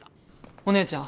お姉ちゃん。